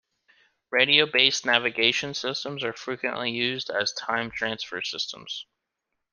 Radio-based navigation systems are frequently used as time transfer systems.